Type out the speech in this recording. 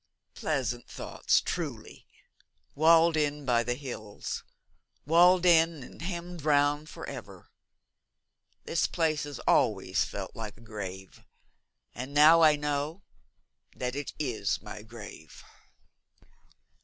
'Pleasant thoughts, truly! Walled in by the hills walled in and hemmed round for ever. This place has always felt like a grave: and now I know that it is my grave.'